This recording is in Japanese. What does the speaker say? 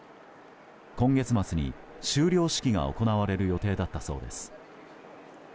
今月末に修了式が行われる予定だったそうです。